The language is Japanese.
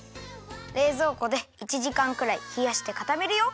れいぞうこで１じかんくらいひやしてかためるよ。